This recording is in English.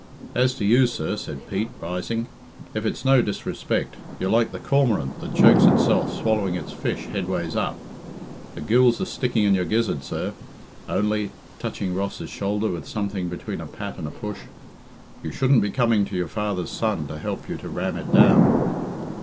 "As to you, sir," said Pete, rising, "if it's no disrespect, you're like the cormorant that chokes itself swallowing its fish head ways up. The gills are sticking in your gizzard, sir, only," touching Ross's shoulder with something between a pat and push, "you shouldn't be coming to your father's son to help you to ram it down."